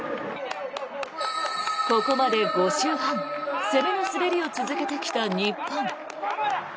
ここまで５周半攻めの滑りを続けてきた日本。